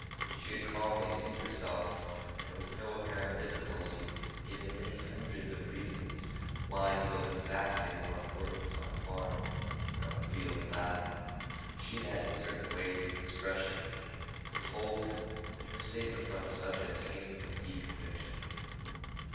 She could calmly seat herself and with no apparent difficulty give him many hundreds of reasons why he was of vastly more importance on the farm than on the field of battle. She had had certain ways of expression that told him that her statements on the subject came from a deep conviction.